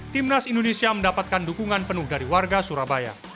timnas indonesia mendapatkan dukungan penuh dari warga surabaya